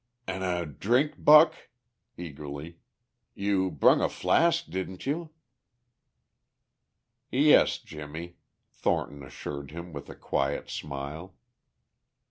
"An' a drink, Buck?" eagerly. "You brung a flask, didn't you?" "Yes, Jimmie," Thornton assured him with a quiet smile.